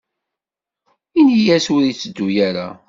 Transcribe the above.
Ini-as ur yetteddu ara.